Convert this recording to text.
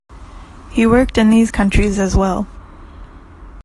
He worked in these countries as well.